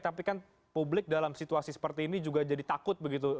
tapi kan publik dalam situasi seperti ini juga jadi takut begitu